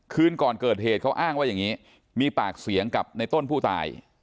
คืนก่อนเกิดเหตุเขาอ้างว่าอย่างนี้มีปากเสียงกับในต้นผู้ตาย